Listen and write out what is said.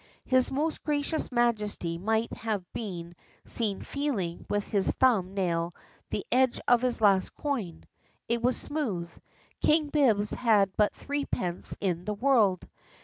His most gracious Majesty might have been seen feeling with his thumb nail the edge of his last coin. It was smooth; King Bibbs had but threepence in the world.